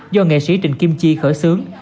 do nghệ sĩ trịnh kim chi khởi xướng